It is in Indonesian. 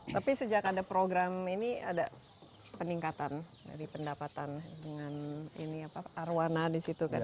tapi sejak ada program ini ada peningkatan dari pendapatan dengan arwana di situ kan